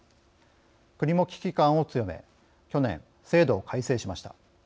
国も危機感を強め去年制度を改正しました。